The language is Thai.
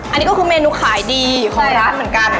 อันนี้ก็คือเมนูขายดีของร้านเหมือนกัน